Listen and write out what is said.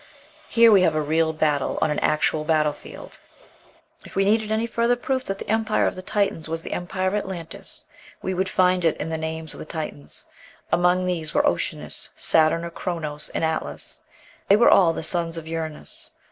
Here we have a real battle on an actual battle field. If we needed any further proof that the empire of the Titans was the empire of Atlantis, we would find it in the names of the Titans: among these were Oceanus, Saturn or Chronos, and Atlas; they were all the sons of Uranos.